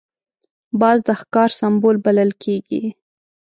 باز د ښکار سمبول بلل کېږي